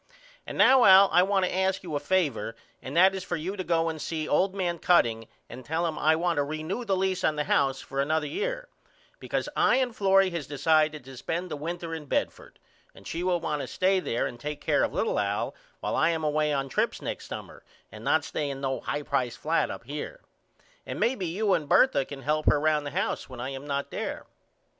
And now Al I want to ask you a favor and that is for you to go and see old man Cutting and tell him I want to ree new the lease on the house for another year because I and Florrie has decided to spend the winter in Bedford and she will want to stay there and take care of little Al while I am away on trips next summer and not stay in no high price flat up here. And may be you and Bertha can help her round the house when I am not there.